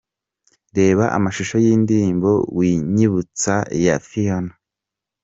Reba amashusho y'indirimbo 'Winyibutsa' ya Phionah.